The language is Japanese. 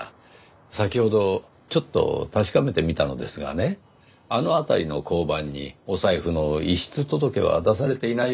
先ほどちょっと確かめてみたのですがねあの辺りの交番にお財布の遺失届は出されていないようですね。